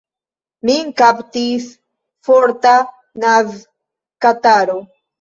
Min kaptis forta nazkataro.